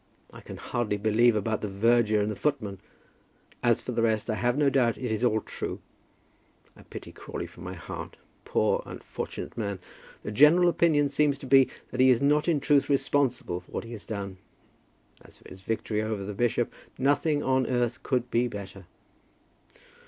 I can hardly believe about the verger and the footman. As for the rest, I have no doubt it is all true. I pity Crawley from my heart. Poor, unfortunate man! The general opinion seems to be that he is not in truth responsible for what he has done. As for his victory over the bishop, nothing on earth could be better.